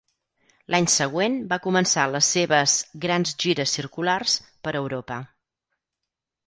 L'any següent va començar les seves "grans gires circulars" per Europa.